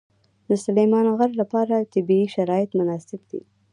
د سلیمان غر لپاره طبیعي شرایط مناسب دي.